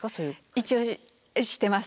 一応してます。